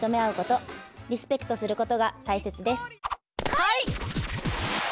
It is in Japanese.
はい！